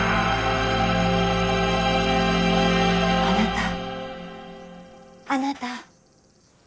あなたあなた。